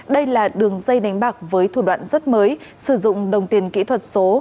đây là đường dây đánh bạc với thủ đoạn rất mới sử dụng đồng tiền kỹ thuật số